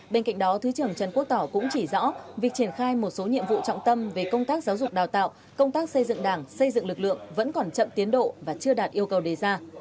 bên cạnh đó thứ trưởng trần quốc tỏ cũng chỉ rõ việc triển khai một số nhiệm vụ trọng tâm về công tác giáo dục đào tạo công tác xây dựng đảng xây dựng lực lượng vẫn còn chậm tiến độ và chưa đạt yêu cầu đề ra